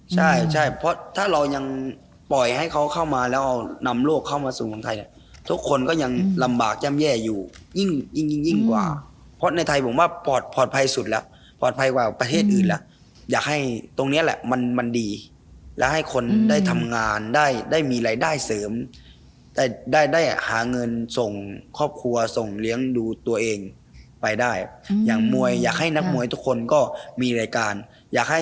ใช่ใช่เพราะถ้าเรายังปล่อยให้เขาเข้ามาแล้วนำโลกเข้ามาสู่ส่วนของไทยทุกคนก็ยังลำบากย่ำแย่อยู่ยิ่งยิ่งยิ่งกว่าเพราะในไทยผมว่าปลอดภัยสุดแล้วปลอดภัยกว่าประเทศอื่นแล้วอยากให้ตรงนี้แหละมันมันดีและให้คนได้ทำงานได้ได้มีรายได้เสริมได้ได้หาเงินส่งครอบครัวส่งเลี้ยงดูตัวเองไปได้อย่